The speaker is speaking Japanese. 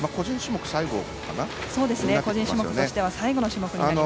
個人種目としては最後の種目になります。